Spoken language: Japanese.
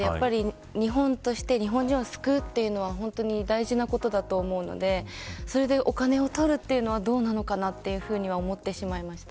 日本として日本人を救うというのは本当に大事なことだと思うのでそれでお金を取るというのはどうなのかなというふうには思ってしまいました。